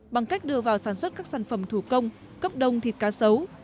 bằng cách đưa vào sản xuất các sản phẩm thủ công cấp đông thịt cá sấu